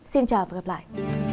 xin chào và gặp lại